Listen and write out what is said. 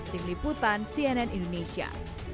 tim liputan cnn indonesia